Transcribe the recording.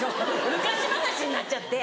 昔話になっちゃって！